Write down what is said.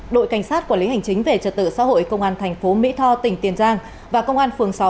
đội cảnh sát quản lý hành chính về trật tự xã hội công an thành phố mỹ tho tỉnh tiền giang và công an phường sáu